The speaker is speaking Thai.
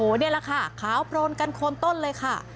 นี่แหละค่ะขาวโปรนกันโคนต้นเลยค่ะ